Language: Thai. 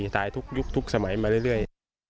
ตายอยู่ทุกสมัยมาเรื่อย